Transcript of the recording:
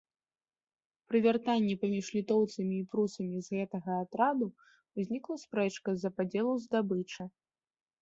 Пры вяртанні паміж літоўцамі і прусамі з гэтага атраду ўзнікла спрэчка з-за падзелу здабычы.